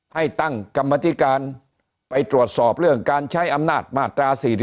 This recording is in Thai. ให้ตั้งกรรมธิการไปตรวจสอบเรื่องการใช้อำนาจมาตรา๔๔